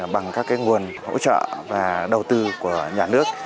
bằng các nguồn hỗ trợ và đầu tư của nhà nước